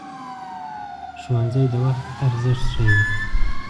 ښوونځی د وخت ارزښت ښيي